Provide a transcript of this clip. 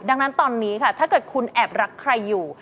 ดังนั้นตอนนี้ค่ะถ้าเกิดคุณแอบรักใครอยู่